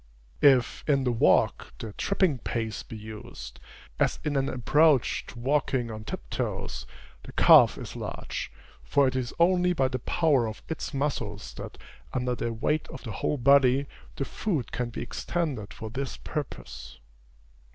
If, in the walk, the tripping pace be used, as in an approach to walking on tiptoes, the calf is large; for it is only by the power of its muscles that, under the weight of the whole body, the foot can be extended for this purpose.